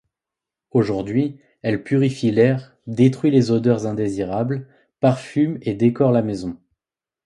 Aujourd'hui, elle purifie l'air, détruit les odeurs indésirables, parfume et décore la maison.